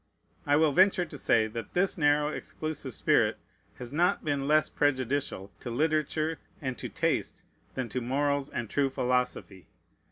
I will venture to say that this narrow, exclusive spirit has not been less prejudicial to literature and to taste than to morals and true philosophy.